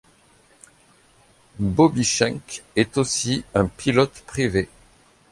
Bobby Schenk est aussi un pilote privé.